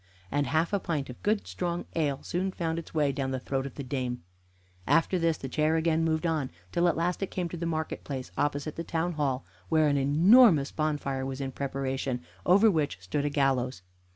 And half a pint of good strong ale soon found its way down the throat of the dame. After this the chair again moved on, till at last it came to the market place, opposite the Town Hall, where an enormous bonfire was in preparation, over which stood a gallows.